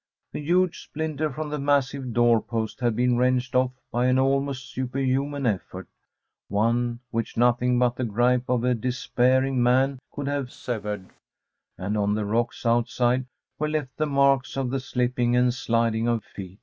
A huge splinter from the massive door post had been wrenched off by an almost superhuman effort one which nothing but the gripe of a despairing man could have severed and on the rocks outside were left the marks of the slipping and sliding of feet.